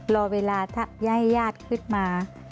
รอเวลาถ้าให้ญาติขึ้นมา